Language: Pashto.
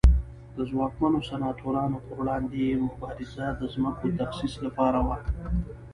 د ځواکمنو سناتورانو پر وړاندې یې مبارزه د ځمکو تخصیص لپاره وه